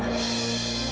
perjodohan itu sama